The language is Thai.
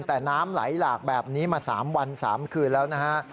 แต่น้ำไหลหลากแบบนี้มา๓วัน๓คืนแล้วนะฮะ